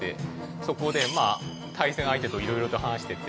そこでまあ対戦相手と色々と話していって。